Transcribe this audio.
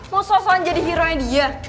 mau so soan jadi hero nya dia